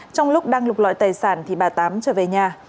trong lúc đang lục loại tài sản thì bà tám trở về nhà